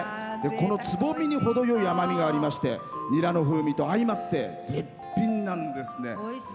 このつぼみに程よい甘みがありましてニラの風味と相まって絶品なんですね。